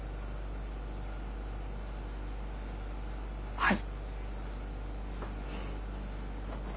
はい。